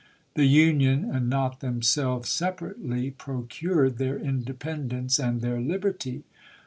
The Union, and not themselves separately, procured their independence and their liberty.